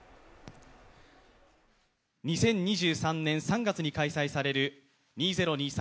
２０２３年３月に開催される２０２３